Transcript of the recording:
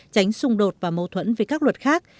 tránh xung đột và mâu thuẫn với các luật khác